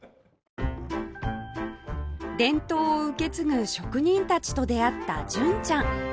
伝統を受け継ぐ職人たちと出会った純ちゃん